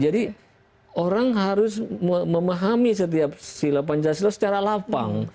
jadi orang harus memahami setiap sila pancasila secara lapang